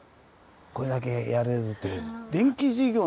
これだけやれるって。